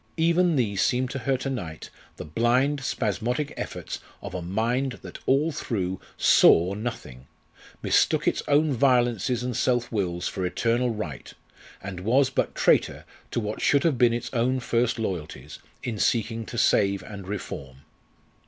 Even these seemed to her to night the blind, spasmodic efforts of a mind that all through saw nothing mistook its own violences and self wills for eternal right, and was but traitor to what should have been its own first loyalties, in seeking to save and reform.